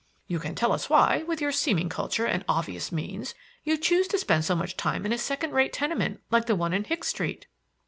"You can tell us why with your seeming culture and obvious means, you choose to spend so much time in a second rate tenement like the one in Hicks Street."